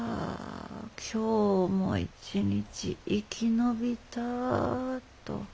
今日も一日生き延びたと。